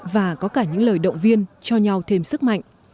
và có cả những lời động viên cho nhau thêm sức mạnh